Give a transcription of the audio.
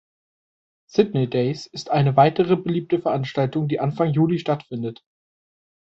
„Sidney days“ ist eine weitere beliebte Veranstaltung, die Anfang Juli stattfindet.